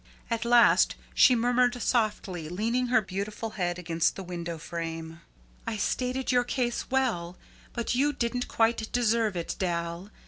At last she murmured softly, leaning her beautiful head against the window frame: "I stated your case well, but you didn't quite deserve it, Dal.